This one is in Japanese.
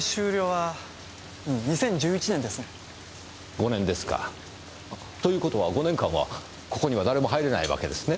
５年ですか。という事は５年間はここには誰も入れないわけですね？